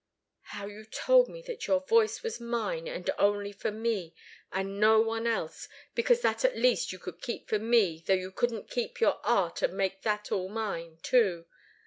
How you told me that your voice was mine, and only for me, and for no one else, because that at least you could keep for me, though you couldn't keep your art and make that all mine, too?